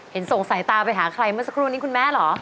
ส่งสายตาไปหาใครเมื่อสักครู่นี้คุณแม่เหรอ